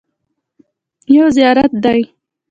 یو زیارت دی.